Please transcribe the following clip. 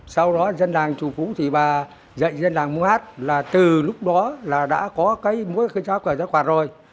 sau đó dân làng chủ phú thì bà dạy dân làng mua hát là từ lúc đó là đã có cái múa giáo cờ giáo quạt rồi